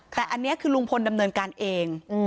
แต่อันนี้คือลุงพลดำเนินการเอง